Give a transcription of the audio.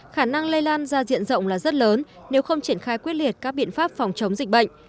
khả năng lây lan ra diện rộng là rất lớn nếu không triển khai quyết liệt các biện pháp phòng chống dịch bệnh